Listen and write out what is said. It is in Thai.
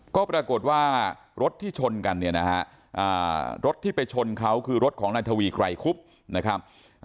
ก็ปรากฏว่ารถที่ชนกันเนี่ยนะฮะรถที่ไปชนเขาคือรถของนายทวีไกรคุบนะครับ